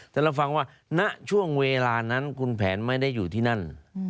แต่เราฟังว่าณช่วงเวลานั้นคุณแผนไม่ได้อยู่ที่นั่น